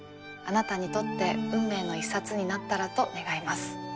あなたにとって運命の一冊になったらと願います。